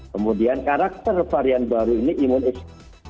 kemudian karakter varian baru ini imun isi